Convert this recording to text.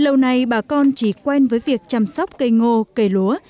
lâu nay bà con chỉ quen với việc chăm sóc cây ngô cây lúa